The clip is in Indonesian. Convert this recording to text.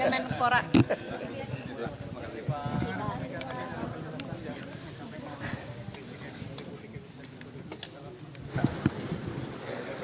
terima kasih pak